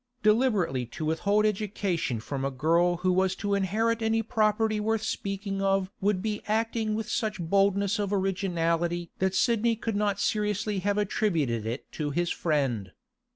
Deliberately to withhold education from a girl who was to inherit any property worth speaking of would be acting with such boldness of originality that Sidney could not seriously have attributed it to his friend.